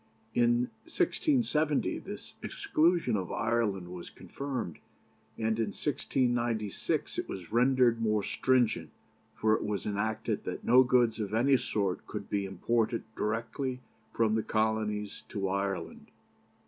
In 1670 this exclusion of Ireland was confirmed, and in 1696 it was rendered more stringent, for it was enacted that no goods of any sort could be imported directly from the Colonies to Ireland.